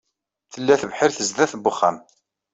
Tella tebḥirt sdat n wexxam.